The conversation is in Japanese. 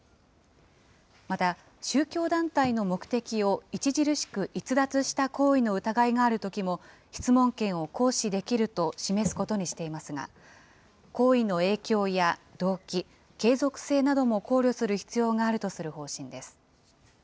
また、宗教団体の目的を著しく逸脱した行為の疑いがあるときも質問権を行使できると示すことにしていますが、行為の影響や動機、継続性なども考慮する必要があるとする方針です。